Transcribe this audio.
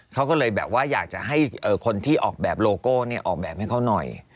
เขาก็เลยแบบว่าอยากจะให้คนที่ออกแบบโลโก้ออกแบบให้เขาหน่อย